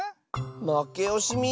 まけおしみ？